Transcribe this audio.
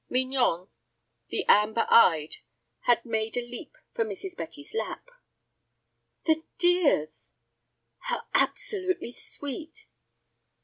Mignon, the amber eyed, had made a leap for Mrs. Betty's lap. "The dears!" "How absolutely sweet!"